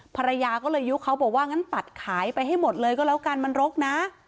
ภรรยาก็เลยยุคเขาบอกว่างั้นปัดขายไปให้หมดเลยก็แล้วกันมันรกนะ